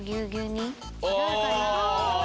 違うかな？